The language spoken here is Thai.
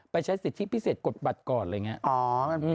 ไปใช้สิทธิ์พิเศษกดบัตรก่อนอะไรอย่างเงี้ยอ๋อ